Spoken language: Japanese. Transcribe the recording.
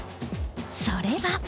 それは。